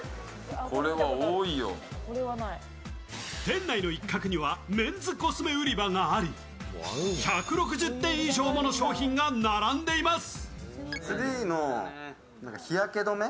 ｃｏｓｍｅＴＯＫＹＯ店内の一角にはメンズコスメ売り場があり、１６０点以上もの商品が並んでいます。